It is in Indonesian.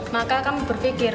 maka kami berpikir